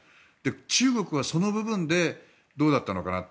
中国はその部分でどうだったのかなと。